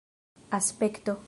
aspekto